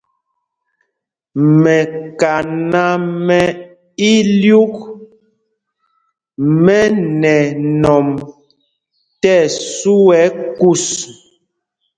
Mɛkaná mɛ ílyûk mɛ nɛ nɔm tí ɛsu kús.